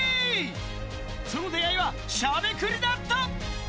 その出会いはしゃべくりだった。